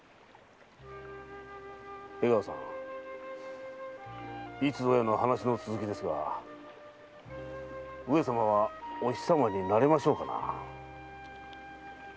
江川さんいつぞやの話の続きですが上様はお日様になれましょうかな？